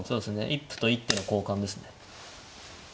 一歩と一手の交換ですね。